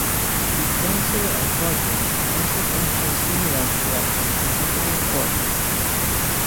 The Council of Guardians also functions similar to a constitutional court.